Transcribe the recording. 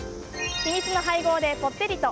秘密の配合でぽってりと！